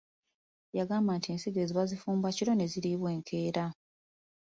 Yagamba nti ensigo ezo bazifumba kiro ne ziriibwa enkeera.